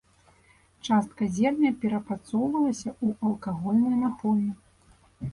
Частка зерня перапрацоўвалася ў алкагольныя напоі.